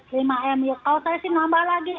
kalau saya sih nambah lagi